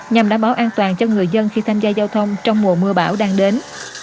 nhằm đảm bảo an toàn cho người dân khi tham gia giao thông trong mùa mưa bão đang đến